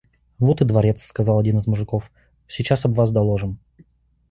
«Вот и дворец, – сказал один из мужиков, – сейчас об вас доложим».